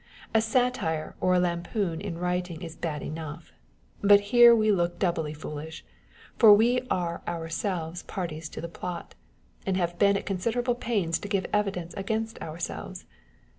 A satire or a lampoon in writing is bad enough ; but here we look doubly foolish, for we are ourselves parties to the plot, and have been at considerable pains to give evidence against ourselves.